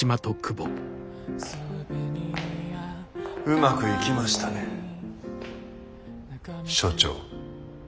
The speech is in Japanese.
うまくいきましたね署長。